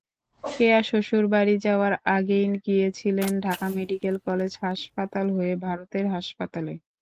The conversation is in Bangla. কেয়া শ্বশুরবাড়ি যাওয়ার আগেই গিয়েছিলেন ঢাকা মেডিকেল কলেজ হাসপাতাল হয়ে ভারতের হাসপাতালে।